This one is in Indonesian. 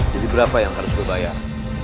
jadi berapa yang harus gue bayar